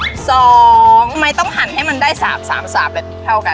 ทำไมต้องหั่นให้มันได้๓๓แบบเท่ากัน